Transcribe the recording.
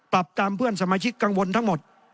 ปรับตามเพื่อนสมาชิกกังวลทั้งหมด